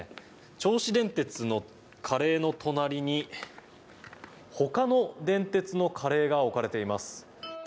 銚子電鉄のカレーの隣にほかの電鉄のカレーが置かれています。